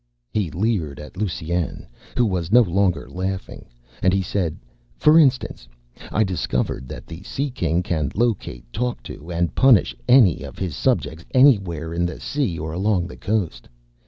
He leered at Lusine, who was no longer laughing, and he said, "For instance, I discovered that the Sea King can locate, talk to, and punish any of his subjects anywhere in the sea or along the coast.